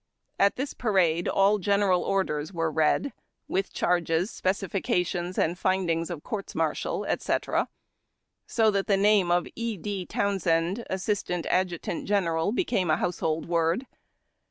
At this parade all general orders were read, with charges, specifications, and findings of courts martial, etc., so that the name of E. D. Townsend, Assistant Adjutant General, became a household word.